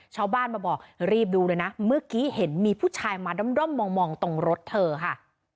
ชาวบ้านมาบอกรีบดูเลยนะเมื่อกี้เห็นมีผู้ชายมาด้อมมองตรงรถเธอค่ะ